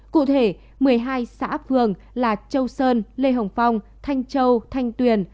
cụ thể một mươi hai xã phường là châu sơn lê hồng phong thanh châu thanh tuyền